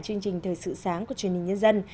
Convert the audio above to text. chương trình thời sự sáng của truyền hình nhân dân